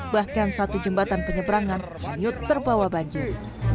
bahkan satu jembatan penyeberangan hanyut terbawa banjir